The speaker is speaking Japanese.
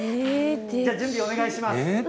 じゃあ準備、お願いします。